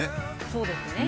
そうですね。